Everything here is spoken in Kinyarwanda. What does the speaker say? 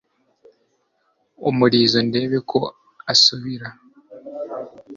umurizo ndebe ko asubira